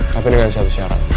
tapi dengan satu syarat